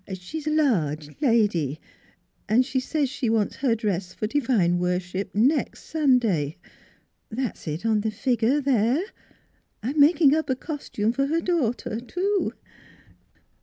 She's a large lady, an' she says she wants her dress for divine worship nex' Sunday. That's it on the figure there. I'm making up a costume for her daughter, too."